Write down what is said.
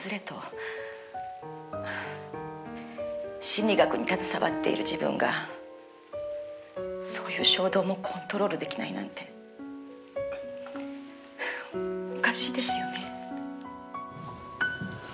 「心理学に携わっている自分がそういう衝動もコントロールできないなんておかしいですよね」